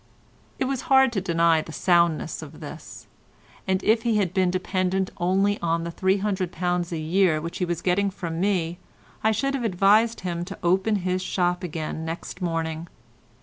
It was hard to deny the soundness of this, and if he had been dependent only on the £300 a year which he was getting from me I should have advised him to open his shop again next morning.